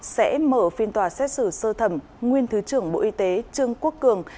sẽ mở phiên tòa xét xử sơ thẩm nguyên thứ trưởng bộ y tế trương quốc cường